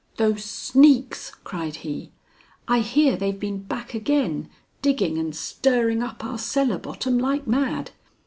"Those sneaks!" cried he. "I hear they've been back again, digging and stirring up our cellar bottom like mad.